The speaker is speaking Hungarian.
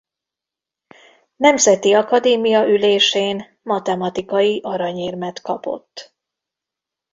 Nemzeti Akadémia ülésén matematikai aranyérmet kapott.